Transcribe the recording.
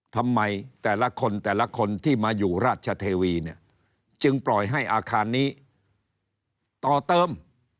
ทำไมแต่ละคนแต่ละคนที่มาอยู่ราชเทวีเนี่ยจึงปล่อยให้อาคารนี้ต่อเติม